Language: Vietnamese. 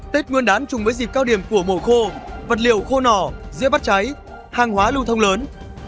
tết nguyên đán trùng với dịp cao điểm của mổ khô vật liệu khô nỏ dĩa bắt cháy hàng hóa lưu thông lớn